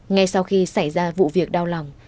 ngay sau khi xảy ra vụ việc đau lòng